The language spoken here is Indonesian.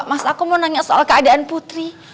mas aku mau nanya soal keadaan putri